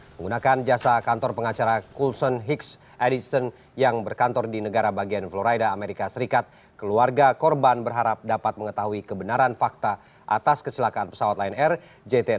menggunakan jasa kantor pengacara kulsen higs edison yang berkantor di negara bagian floraida amerika serikat keluarga korban berharap dapat mengetahui kebenaran fakta atas kecelakaan pesawat lion air jt enam ratus